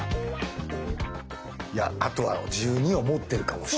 いやあとは１２を持ってるかもしれない。